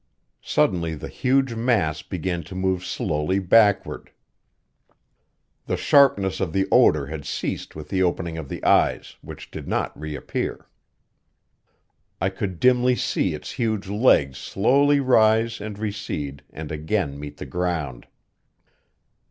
Suddenly the huge mass began to move slowly backward. The sharpness of the odor had ceased with the opening of the eyes, which did not reappear. I could dimly see its huge legs slowly rise and recede and again meet the ground.